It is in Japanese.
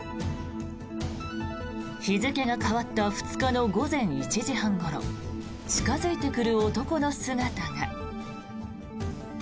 日付が変わった２日の午前１時半ごろ近付いてくる男の姿が。